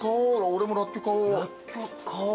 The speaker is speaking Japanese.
俺もらっきょう買おう。